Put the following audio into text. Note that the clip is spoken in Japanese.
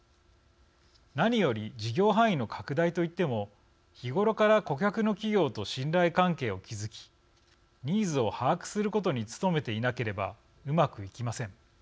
何より事業範囲の拡大と言っても日ごろから顧客の企業と信頼関係を築きニーズを把握することに努めていなければうまくいきません。